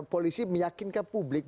polisi meyakinkan publik